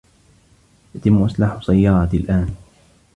يتم اصلاح سيارتي الآن